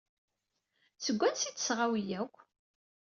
Seg wansi ay d-tesɣa wi akk?